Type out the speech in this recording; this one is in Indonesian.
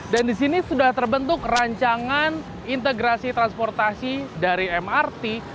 dan di sini sudah terbentuk rancangan integrasi transportasi dari mrt